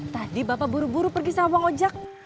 tadi bapak buru buru pergi sama wang ojek